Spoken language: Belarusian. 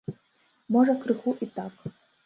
Можа крыху і так.